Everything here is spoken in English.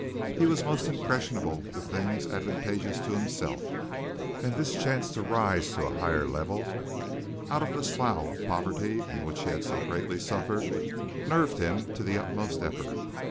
He was most impressionable to things advantageous to himself, and this chance to rise to a higher level out of the slough of poverty in which he had so greatly suffered nerved him to the utmost effort.